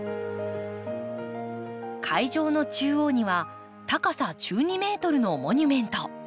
会場の中央には高さ１２ｍのモニュメント。